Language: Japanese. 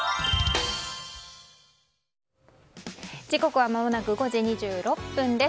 時刻はまもなく５時２６分です。